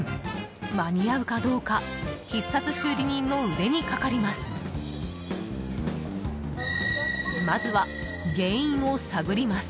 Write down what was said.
間に合うかどうか必殺修理人の腕にかかります！